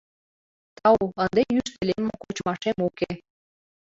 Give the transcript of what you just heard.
Тау, ынде йӱштӧ лемым кочмашем уке.